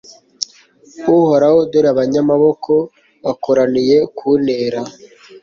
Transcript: uhoraho, dore abanyamaboko bakoraniye kuntera